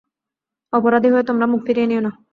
অপরাধী হয়ে তোমরা মুখ ফিরিয়ে নিও না।